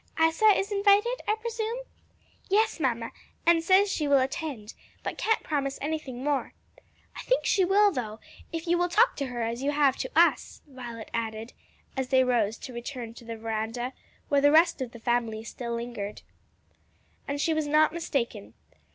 "Isa is invited, I presume?" "Yes, mamma, and says she will attend; but can't promise anything more. I think she will, though, if you will talk to her as you have to us," Violet added, as they rose to return to the veranda, where the rest of the family still lingered. And she was not mistaken.